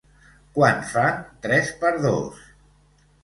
Quan fan tres per dos?